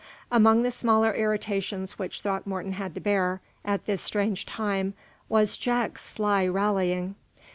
Among the smaller irritations which Throckmorton had to bear, at this strange time, was Jack's sly rallying.